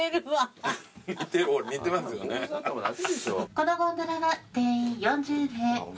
このゴンドラは定員４０名。